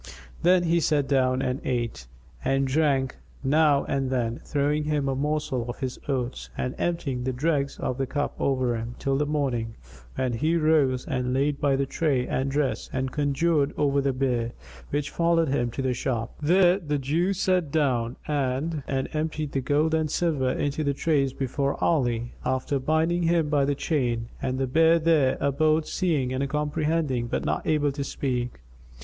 Then he sat down and ate and drank, now and then throwing him a morsel of his orts and emptying the dregs of the cup over him, till the morning, when he rose and laid by the tray and the dress and conjured over the bear, which followed him to the shop. There the Jew sat down and emptied the gold and silver into the trays before Ali, after binding him by the chain; and the bear there abode seeing and comprehending but not able to speak.